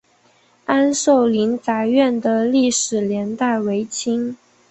安寿林宅院的历史年代为清。